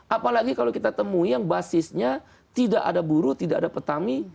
apalagi kalau kita temui yang basisnya tidak ada buruh tidak ada petani